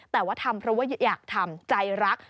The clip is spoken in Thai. แต่ว่าทำเพราะว่าอยากทำใจรัก